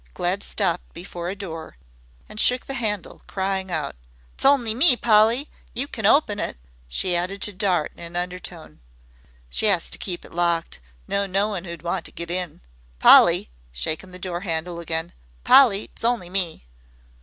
Glad stopped before a door and shook the handle, crying out: "'S only me, Polly. You can open it." She added to Dart in an undertone: "She 'as to keep it locked. No knowin' who'd want to get in. Polly," shaking the door handle again, "Polly's only me."